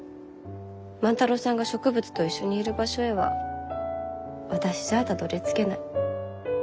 万太郎さんが植物と一緒にいる場所へは私じゃたどりつけない。